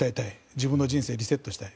自分の人生をリセットしたい。